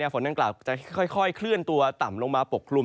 ฝนดังกล่าวจะค่อยเคลื่อนตัวต่ำลงมาปกคลุม